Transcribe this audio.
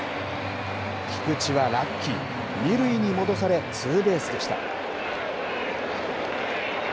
菊池はラッキー、２塁に戻され、ツーベースでした。